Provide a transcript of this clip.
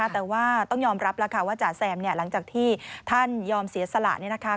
แต่ว่าต้องยอมรับว่าจ๋าแซมหลังจากที่ท่านยอมเสียสละ